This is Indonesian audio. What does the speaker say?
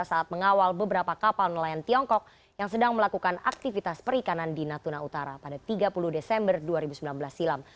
saat mengawal beberapa kapal nelayan tiongkok yang sedang melakukan aktivitas perikanan di natuna utara pada tiga puluh desember dua ribu sembilan belas silam